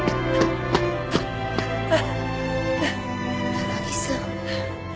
高木さん。